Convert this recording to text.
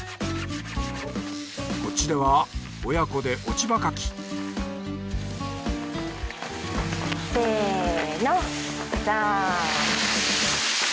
こっちでは親子で落ち葉かきせのザーッ！